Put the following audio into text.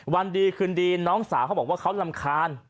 วันดีคืนดีน้องสาวเขาบอกว่าเขารำคาญ